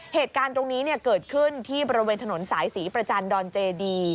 เหตุการณ์ตรงนี้เกิดขึ้นที่บริเวณถนนสายศรีประจันทร์ดอนเจดี